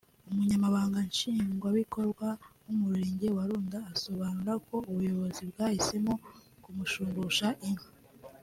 Umunyamabanga Nshingwabikorwa w’Umurenge wa Runda asobanura ko ubuyobozi bwahisemo kumushumbusha inka